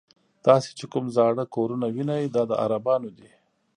تاسې چې کوم زاړه کورونه وینئ دا د عربانو دي.